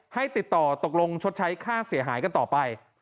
ให้ติดต่อตกลงชดใช้ค่าเสียหายกันต่อไป